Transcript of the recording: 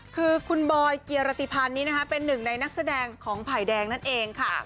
คือคุณบอยเกียรติพันธ์นี้นะคะเป็นหนึ่งในนักแสดงของไผ่แดงนั่นเองค่ะ